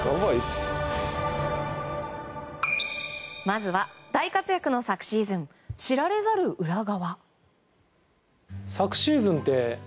まずは大活躍の昨シーズン、知られざる裏側。